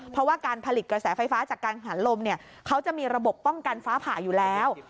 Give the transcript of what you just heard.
เพราะว่าการผลิตกระแสไฟฟ้าจากการหันลมเนี่ยเขาจะมีระบบป้องกันฟ้าผ่าอยู่แล้ว